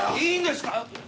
いいんですか？